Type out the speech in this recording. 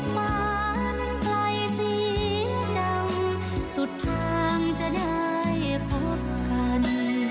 ฟ้ามันไกลสีจังสุดทางจะได้พบกัน